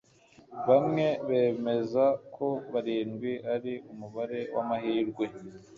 Bamwe bemeza ko barindwi ari umubare wamahirwe